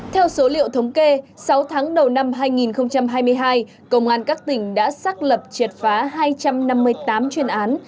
theo số liệu thống kê sáu tháng đầu năm hai nghìn hai mươi hai công an các tỉnh đã xác lập triệt phá hai trăm năm mươi tám chuyên án